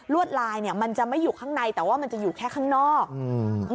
วดลายเนี้ยมันจะไม่อยู่ข้างในแต่ว่ามันจะอยู่แค่ข้างนอกอืม